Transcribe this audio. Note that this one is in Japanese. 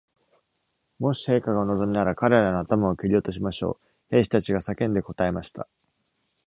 「もし陛下がお望みなら、彼らの頭を切り落としましょう！」兵士たちが叫んで答えました。